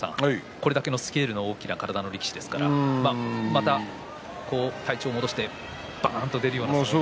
これだけスケールの大きな力士ですからまた体調を戻してばーんと出るような相撲を。